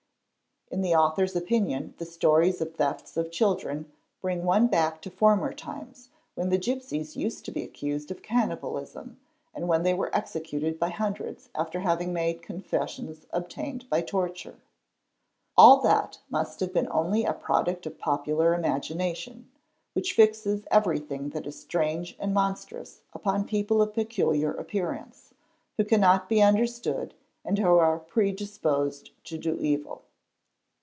In the author's opinion the stories of thefts of children bring one — back to former times when the gipsies used to be accused of cannibalism and when they were executed by hundreds after having made confessions obtained by torture. All that must have been only a product of popular — imagination, which fixes everything that is strange and monstrous upon people of peculiar appearance, who cannot be understood and who are pre disposed to do evil.